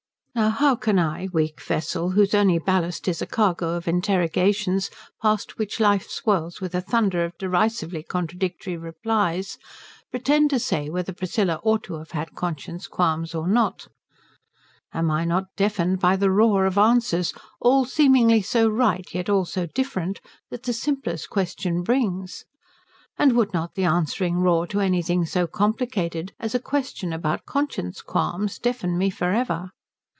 Now how can I, weak vessel whose only ballast is a cargo of interrogations past which life swirls with a thunder of derisively contradictory replies, pretend to say whether Priscilla ought to have had conscience qualms or not? Am I not deafened by the roar of answers, all seemingly so right yet all so different, that the simplest question brings? And would not the answering roar to anything so complicated as a question about conscience qualms deafen me for ever?